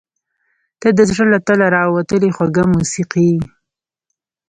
• ته د زړه له تله راوتلې خوږه موسیقي یې.